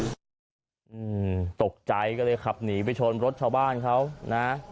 อืมตกใจก็เลยขับหนีไปชนรถชาวบ้านเขานะ